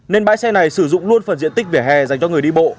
nên bãi xe này sử dụng luôn phần diện tích vỉa hè dành cho người đi bộ